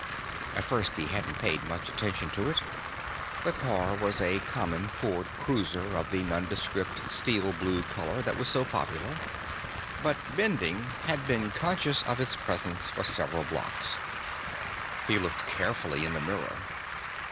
At first, he hadn't paid much attention to it. The car was just a common Ford Cruiser of the nondescript steel blue color that was so popular. But Bending had been conscious of its presence for several blocks. He looked carefully in the mirror.